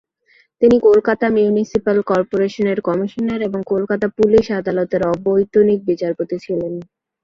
তিনি কলকাতা মিউনিসিপ্যাল কর্পোরেশনের কমিশনার এবং কলকাতা পুলিশ আদালতের অবৈতনিক বিচারপতি ছিলেন।